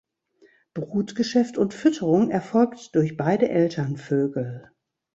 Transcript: Brutgeschäft und Fütterung erfolgt durch beide Elternvögel.